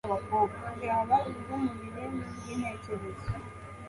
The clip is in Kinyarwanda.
bwaba ubwumubiri nubwintekerezo